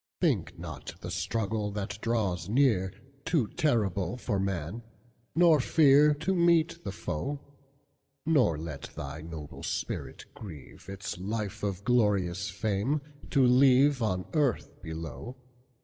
"Think not the struggle that draws nearToo terrible for man, nor fearTo meet the foe; Nor let thy noble spirit grieve, Its life of glorious fame to leaveOn earth below.